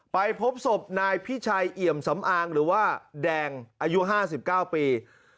ไปพบศพนายพิชัยเอี่ยมสำอางหรือว่าแดงอายุ๕๙ปี